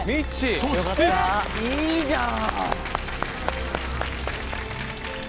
そしていいじゃん！